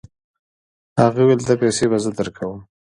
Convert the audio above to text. هغه وویل دا پیسې به زه درکوم.